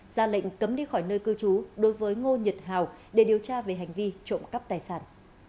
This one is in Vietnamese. ra lệnh cấm đi khỏi nơi cư trú đối với ngô nhật hào để điều tra về hành vi trộm cắp tài sản